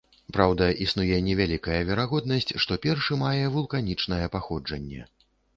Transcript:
Праўда, існуе невялікая верагоднасць, што першы мае вулканічнае паходжанне.